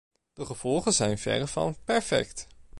De gevolgen zijn verre van perfect.